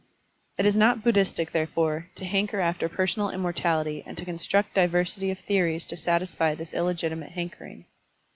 It is not Buddhistic, therefore, to hanker after personal immortality and to construct diversity of theories to satisfy this illegitimate hankering.